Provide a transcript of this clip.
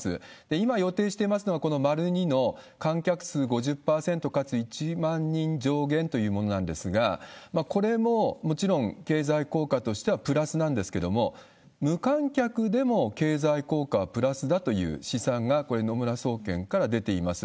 今、予定していますのがこのまる２の観客数５０％、かつ１万人上限というものなんですが、これももちろん経済効果としてはプラスなんですけども、無観客でも経済効果はプラスだという試算がこれ、野村総研から出ています。